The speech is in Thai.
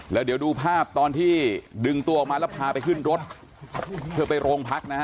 แล้วเดี๋ยวดูภาพตอนที่ดึงตัวออกมาแล้วพาไปขึ้นรถเพื่อไปโรงพักนะฮะ